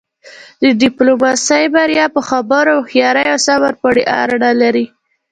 د ډیپلوماسی بریا په خبرو، هوښیارۍ او صبر پورې اړه لری.